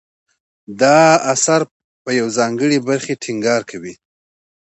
دا اثر په یوې ځانګړې برخې ټینګار کوي.